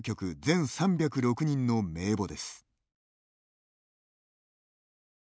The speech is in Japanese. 全３０６人の名簿です。